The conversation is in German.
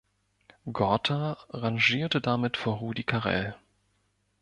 Gorter rangierte damit vor Rudi Carrell.